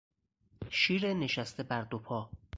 شیر نشسته بر دو پا